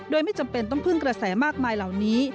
โดยไม่จำเป็นต้องพึ่งกระแสมากมายเหล่านี้